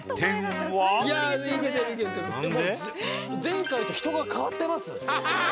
前回と人が変わってます？